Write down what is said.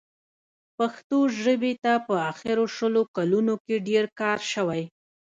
پښتو ژبې ته په اخرو شلو کالونو کې ډېر کار شوی.